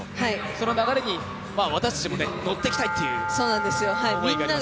その流れに私たちも乗っていきたいという思いがありますもんね。